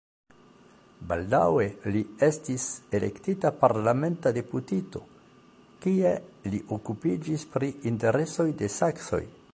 Baldaŭe li estis elektita parlamenta deputito, kie li okupiĝis pri interesoj de saksoj.